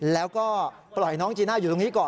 แล้วก็ปล่อยน้องจีน่าอยู่ตรงนี้ก่อน